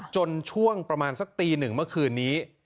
ช่วงประมาณสักตีหนึ่งเมื่อคืนนี้